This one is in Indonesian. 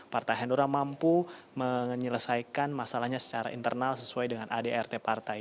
partai hanura mampu menyelesaikan masalahnya secara internal sesuai dengan adrt partai